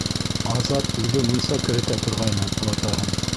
Азат үҙе мунса керетә торғайны олатаһын.